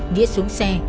nghĩa xuống xe